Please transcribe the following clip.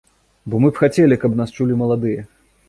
Бо мы б хацелі, каб нас чулі маладыя.